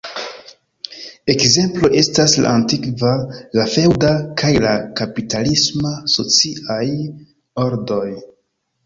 Ekzemploj estas la antikva, la feŭda, kaj la kapitalisma sociaj ordoj.